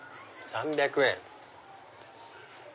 ３００円。